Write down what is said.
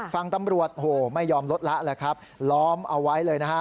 ฝั่งตำรวจโหไม่ยอมลดละแหละครับล้อมเอาไว้เลยนะฮะ